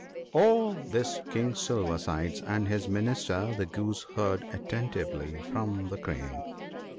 All this King Silver sides and his Minister the Goose heard attentively from the Crane.